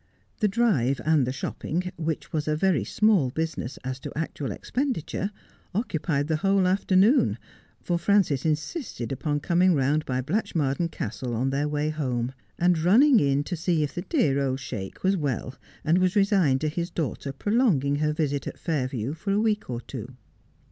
The drive and the shopping, which was a very small business as to actual expenditure, occupied the whole afternoon, for Frances insisted upon coming round by Blatchmardean Castle on their way home, and running in to see if the dear old Sheik was well, and was resigned to his daughter prolonging her visit at Fairview for a week or two.